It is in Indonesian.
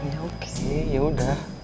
ya oke yaudah